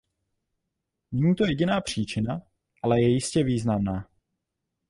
Není to jediná příčina, ale je jistě významná.